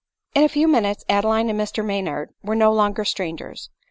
In a few minutes Adeline and Mr Maynard were no longer strangers.